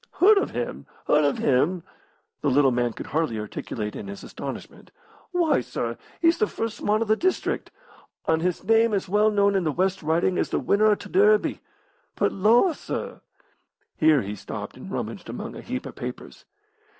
"Heard of him! Heard of him!" the little man could hardly articulate in his astonishment. "Why, sir, he's the first mon o' the district, an' his name's as well known in the West Riding as the winner o' t' Derby. But Lor,' sir," here he stopped and rummaged among a heap of papers.